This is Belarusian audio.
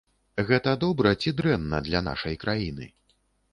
Гэта добра ці дрэнна для нашай краіны?